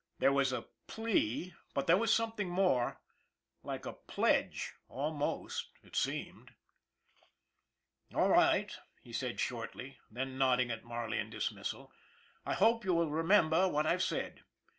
There 224 ON THE IRON AT BIG CLOUD was a plea, but there was something more like a pledge, almost, it seemed. " All right," he said shortly; then, nodding at Mar ley in dismissal :" I hope you will remember what I've said.